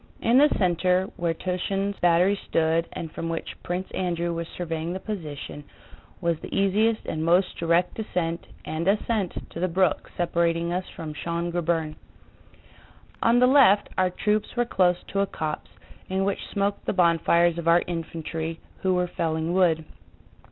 In the center, where Túshin's battery stood and from which Prince Andrew was surveying the position, was the easiest and most direct descent and ascent to the brook separating us from Schön Grabern. On the left our troops were close to a copse, in which smoked the bonfires of our infantry who were felling wood.